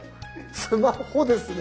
スマホですね。